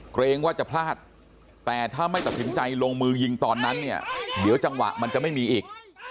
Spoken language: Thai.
เกรงว่าจะพลาดแต่ถ้าไม่ตัดสินใจลงมือยิงตอนนั้นเนี่ยเดี๋ยวจังหวะมันจะไม่มีอีก